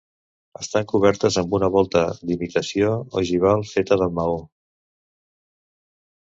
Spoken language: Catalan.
Estan cobertes amb una volta d'imitació ogival feta de maó.